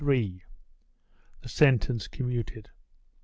THE SENTENCE COMMUTED.